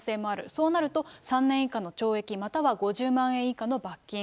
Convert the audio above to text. そうなると３年以下の懲役、または５０万円以下の罰金。